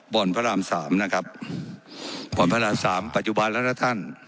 พระรามสามนะครับบ่อนพระรามสามปัจจุบันแล้วนะท่าน